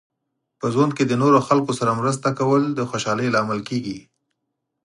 په ژوند کې د نورو خلکو سره مرسته کول د خوشحالۍ لامل کیږي.